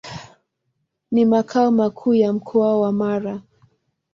Ni makao makuu ya Mkoa wa Mara.